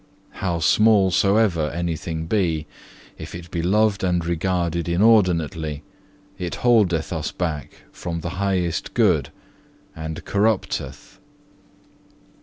How small soever anything be, if it be loved and regarded inordinately, it holdeth us back from the highest good, and corrupteth."